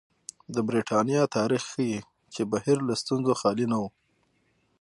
د برېټانیا تاریخ ښيي چې بهیر له ستونزو خالي نه و.